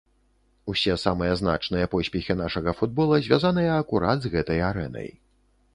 Усе самыя значныя поспехі нашага футбола звязаныя акурат з гэтай арэнай.